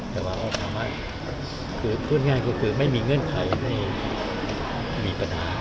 แต่ว่าก็ทำให้คือพูดง่ายก็คือไม่มีเงื่อนไขไม่มีปัญหา